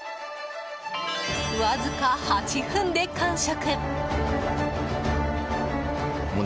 わずか８分で完食。